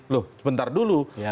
loh sebentar dulu